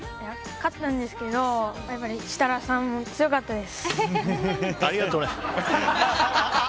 勝ったんですけど設楽さん、強かったです。